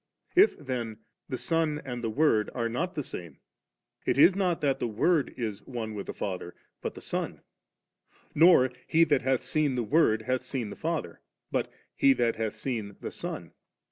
If then the Son and the Word are not the same, it is not that the Word is one with the Father, but the Son ; nor he that hath seen the Word 'hath seen the Father,' but < he that hath seen ' the Son.